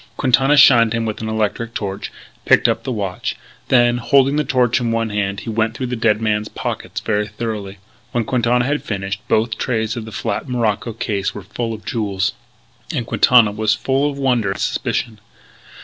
Quintana shined him with an electric torch; picked up the watch. Then, holding the torch in one hand, he went through the dead man's pockets very thoroughly. When Quintana had finished, both trays of the flat morocco case were full of jewels. And Quintana was full of wonder and suspicion.